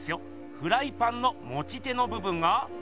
フライパンのもち手のぶぶんが。